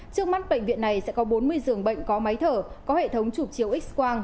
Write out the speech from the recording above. trước mắt bệnh viện này sẽ có bốn mươi giường bệnh có máy thở có hệ thống chụp chiếu x quang